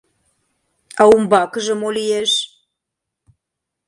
А умбакыже мо лиеш?